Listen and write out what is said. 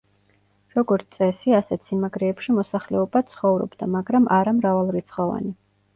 როგორც წესი, ასეთ სიმაგრეებში მოსახლეობაც ცხოვრობდა, მაგრამ არა მრავალრიცხოვანი.